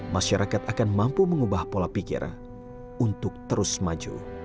masyarakat akan mampu mengubah pola pikir untuk terus maju